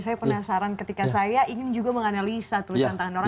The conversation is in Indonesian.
saya penasaran ketika saya ingin juga menganalisa tulisan tangan orang orang